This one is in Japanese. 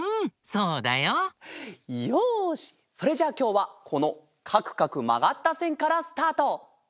それじゃあきょうはこのかくかくまがったせんからスタート！